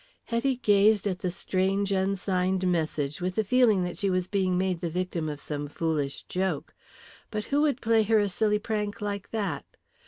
Hetty gazed at the strange unsigned message with the feeling that she was being made the victim of some foolish joke. But who would play her a silly prank like that?